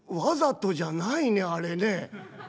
わざとじゃないねあれね。